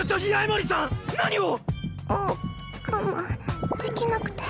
もう我慢できなくて。